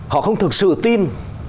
họ không thực sự tin